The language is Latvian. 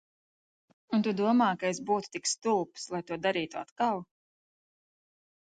Un tu domā, ka es būtu tik stulbs, lai to darītu atkal?